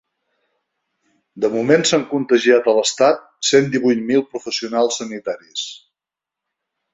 De moment s’han contagiat a l’estat cent divuit mil professionals sanitaris.